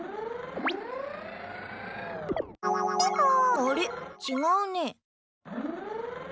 あれちがうね。